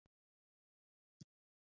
د مهارتونو زده کړه دوامداره وي.